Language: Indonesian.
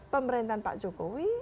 pemerintahan pak jokowi